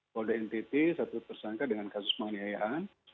polda ntt satu tersangka dengan kasus penganiayaan